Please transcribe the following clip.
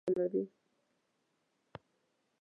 چارمغز د بدن داخلي سوزشونه کموي.